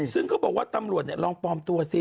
ซึ่งเขาบอกว่าตำรวจลองปลอมตัวสิ